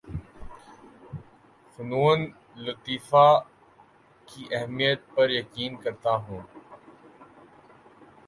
فنون لطیفہ کی اہمیت پر یقین کرتا ہوں